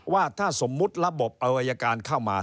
ว่าถ้าสมมุติระบบเอาอายการเข้ามา